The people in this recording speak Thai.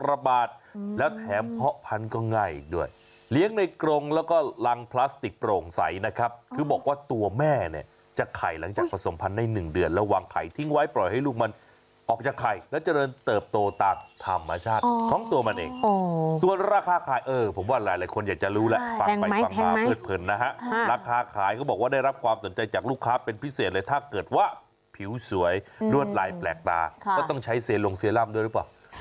อสเตรเลียควันนั้นก็ง่ายด้วยเลี้ยงในกรงแล้วก็ลังพลาสติกโปร่งใสนะครับคือบอกว่าตัวแม่เนี่ยจะไข่หลังจากผสมพันธุ์ในหนึ่งเดือนแล้ววางไข่ทิ้งไว้ปล่อยให้ลูกมันออกจากไข่และเจริญเติบโตตามหรือชาติของตัวมันเองอ๋อส่วนราคาขายเออผมว่าหลายคนอยากจะรู้แล้วแพงไหมแพงไหมฟ